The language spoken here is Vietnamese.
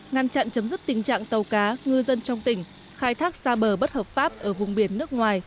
ngăn chặn chấm dứt tình trạng tàu cá ngư dân trong tỉnh khai thác xa bờ bất hợp pháp ở vùng biển nước ngoài